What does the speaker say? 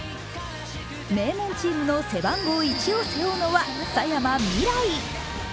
名門チームの背番号１を背負うのは佐山未來。